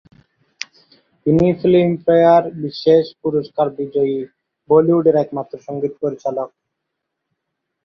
তিনি ফিল্মফেয়ার বিশেষ পুরস্কার বিজয়ী বলিউডের একমাত্র সঙ্গীত পরিচালক।